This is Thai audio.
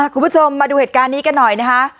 คุณผู้ชมมาดูเหตุการณ์นี้กันหน่อยนะคะ